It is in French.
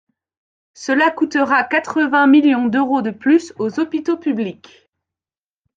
Cela coûtera quatre-vingts millions d’euros de plus aux hôpitaux publics.